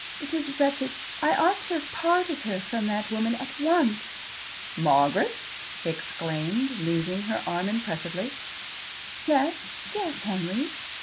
It is wretched. I ought to have parted her from that woman at once. "Margaret!" he exclaimed, loosing her arm impressively. "Yes yes, Henry?"